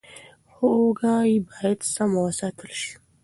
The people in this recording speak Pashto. هوږه باید سم وساتل شي.